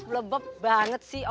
blebeb banget sih